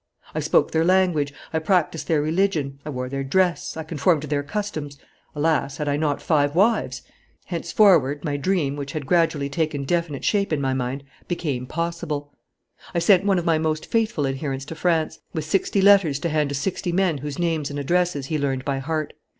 "I spoke their language, I practised their religion, I wore their dress, I conformed to their customs: alas! had I not five wives? Henceforward, my dream, which had gradually taken definite shape in my mind, became possible. "I sent one of my most faithful adherents to France, with sixty letters to hand to sixty men whose names and addresses he learned by heart.